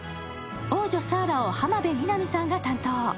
王女サーラを浜辺美波さんが担当。